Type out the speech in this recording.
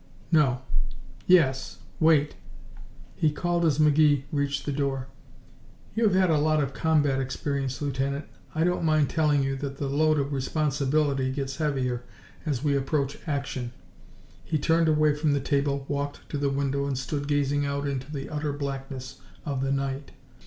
"No ... Yes, wait!" he called as McGee reached the door. "You have had a lot of combat experience, Lieutenant. I don't mind telling you that the load of responsibility gets heavier as we approach action." He turned away from the table, walked to the window, and stood gazing out into the utter blackness of the night.